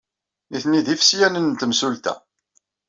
Nitni d ifesyanen n temsulta.